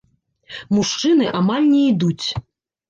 Мужчыны амаль не ідуць.